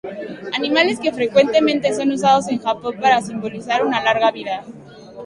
Animales que frecuentemente son usados en Japón para simbolizar una larga vida.